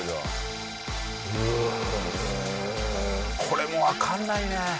これもわかんないね。